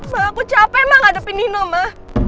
ma aku capek ma ngadepin ini ma